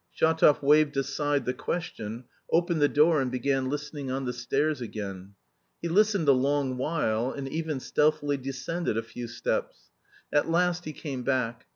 Shatov waved aside the question, opened the door and began listening on the stairs again. He listened a long while, and even stealthily descended a few steps. At last he came back.